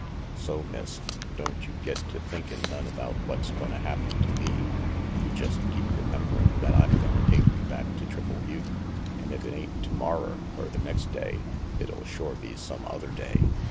So, Miss, don't you get to thinkin' none about what's gonna happen to me. You jest keep rememberin' that I'm gonna take you back to Triple Butte, an' if it ain't tomorrer er the next day, it'll shore be some other day.